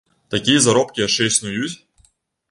Такія заробкі яшчэ існуюць?